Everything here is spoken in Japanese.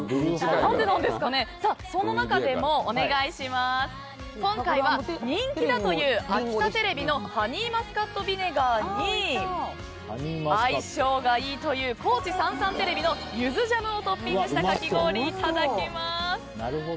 その中でも今回は人気だという秋田テレビのハニーマスカットビネガーに相性がいいという高知さんさんテレビのゆずジャムをトッピングしたかき氷をいただきます。